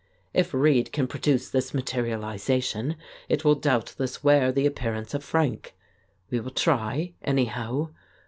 If Reid can produce this materialization, it will doubtless wear the appearance of Frank. We will try, anyhow.